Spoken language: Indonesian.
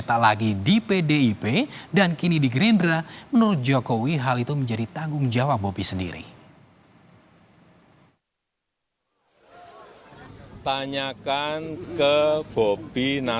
dan berpartai gerindra saya tidak akan berjalan ke sana